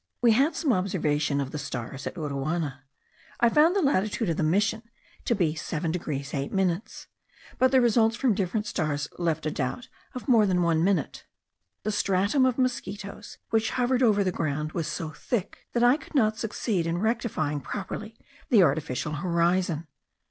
We had some observations of the stars at Uruana. I found the latitude of the mission to be 7 degrees 8 minutes; but the results from different stars left a doubt of more than 1 minute. The stratum of mosquitos, which hovered over the ground, was so thick that I could not succeed in rectifying properly the artificial horizon.